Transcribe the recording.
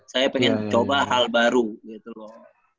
saya ingin coba hal baru gitu loh